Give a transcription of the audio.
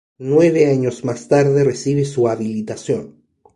Nueve años más tarde, recibe su habilitación.